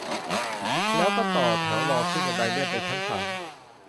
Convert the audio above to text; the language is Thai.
แล้วก็ต่อแถวรอขึ้นบันไดเลื่อนไปชั้นสาม